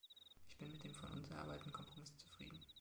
Ich bin mit dem von uns erarbeiteten Kompromiss zufrieden.